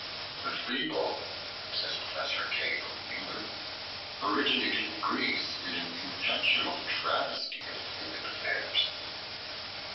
"The fable," says Professor K. O. Mueller, "originated in Greece in an intentional travestie of human affairs.